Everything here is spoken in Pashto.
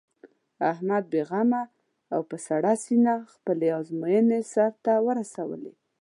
احمد بې غمه او په سړه سینه خپلې ازموینې سر ته ورسولې.